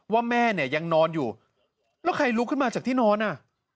ว่าแม่เนี่ยยังนอนอยู่แล้วใครลุกขึ้นมาจากที่นอนอ่ะ